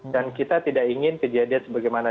dan kita tidak ingin kejadian sebagaimana